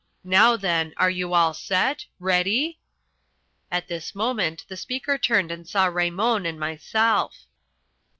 Now then, are you all set? Ready?" At this moment the speaker turned and saw Raymon and myself.